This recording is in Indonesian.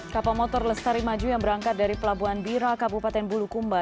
kapal motor lestari maju yang berangkat dari pelabuhan bira kabupaten bulukumba